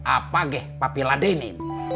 apa geh papi lade ini